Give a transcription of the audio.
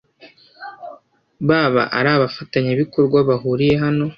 baba ari abafatanyabikorwa bahuriye hano